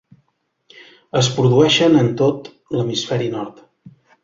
Es produeixen en tot l'hemisferi nord.